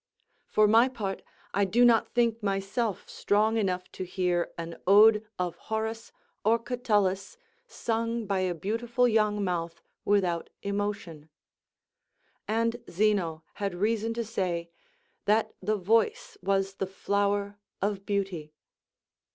For my part I do not think myself strong enough to hear an ode of Horace or Catullus sung by a beautiful young mouth without emotion; and Zeno had reason to say "that the voice was the flower of beauty."